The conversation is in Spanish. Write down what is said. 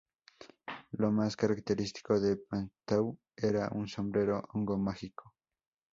Lo más característico de Pan Tau era su sombrero hongo mágico.